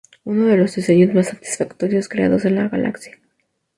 Uno de los diseños más satisfactorios creados en la galaxia.